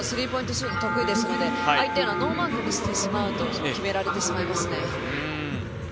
シュート得意なので相手をノーマークにしてしまうと決められてしまいますね。